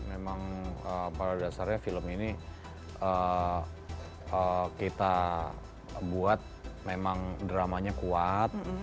memang pada dasarnya film ini kita buat memang dramanya kuat